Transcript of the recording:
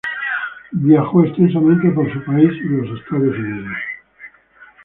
Viajó extensamente por su país y Estados Unidos.